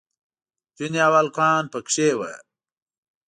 نجونې او هلکان پکې وو.